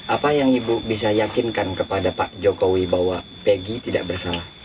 apa yang ibu bisa yakinkan kepada pak jokowi bahwa pg tidak bersalah